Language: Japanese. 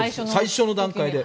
最初の段階で。